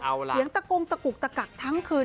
เสียงตะกุกตะกักตั้งคืน